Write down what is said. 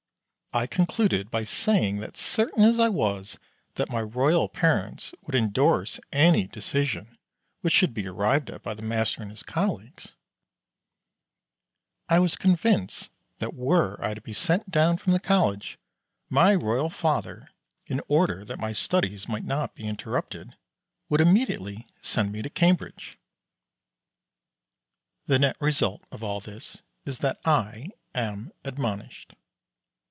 I concluded by saying that certain as I was that my royal parents would endorse any decision which should be arrived at by the Master and his Colleagues, I was convinced that were I to be sent down from the College, my royal father, in order that my studies might not be interrupted, would immediately send me to Cambridge. The net result of all this is that I am admonished.